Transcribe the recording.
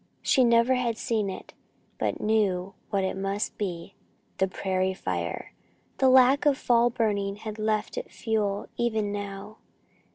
She never had seen it, but knew what it must be the prairie fire! The lack of fall burning had left it fuel even now.